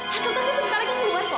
hasil tesnya sebentar lagi keluar kok